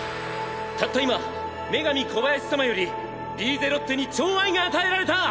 たった今女神コバヤシ様よりリーゼロッテに寵愛が与えられた！